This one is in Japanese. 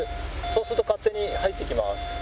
そうすると勝手に入っていきます。